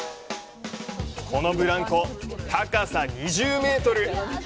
このブランコ、高さ２０メートル！